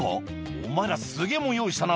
お前らすげぇ物用意したな」